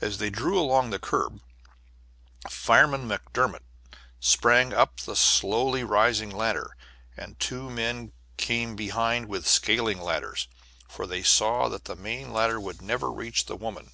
As they drew along the curb, Fireman McDermott sprang up the slowly rising ladder, and two men came behind with scaling ladders, for they saw that the main ladder would never reach the woman.